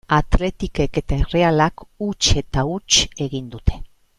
Athleticek eta Errealak huts eta huts egin dute.